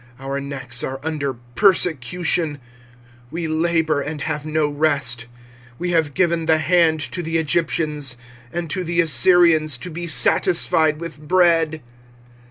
25:005:005 Our necks are under persecution: we labour, and have no rest. 25:005:006 We have given the hand to the Egyptians, and to the Assyrians, to be satisfied with bread.